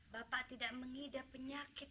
bapak tidak mengidap penyakit